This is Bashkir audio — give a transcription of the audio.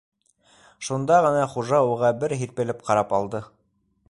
Шунда ғына хужа уға бер һирпелеп ҡарап алды.